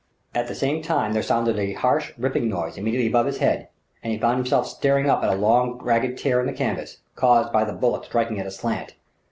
At the same time there sounded a harsh, ripping noise immediately above his head; and he found himself staring up at a long ragged tear in the canvas, caused by the bullet striking it aslant.